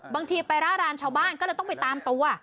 บางทีไปร่ารานชาวบ้านก็เลยต้องไปตามตัว